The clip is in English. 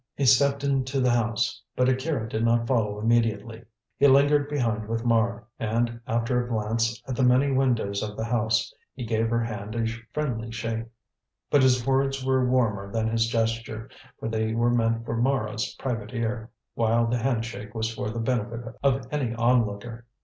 He stepped into the house, but Akira did not follow immediately. He lingered behind with Mara, and, after a glance at the many windows of the house, he gave her hand a friendly shake. But his words were warmer than his gesture, for they were meant for Mara's private ear, while the handshake was for the benefit of any onlooker.